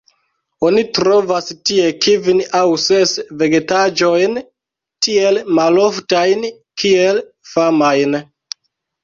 Oni trovas tie kvin aŭ ses vegetaĵojn tiel maloftajn kiel famajn.